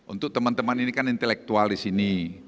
untuk teman teman ini kan intelektual disini